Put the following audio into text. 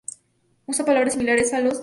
Usan palabras similares a los Mr.